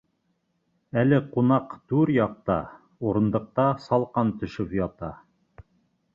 Әле ҡунаҡ түр яҡта, урындыҡта салҡан төшөп ята.